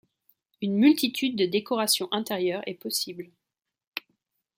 Une multitude de décoration intérieur est possible